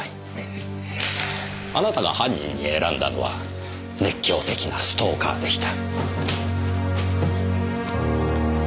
あなたが犯人に選んだのは熱狂的なストーカーでした。